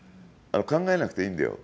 考えなくていいんだよ。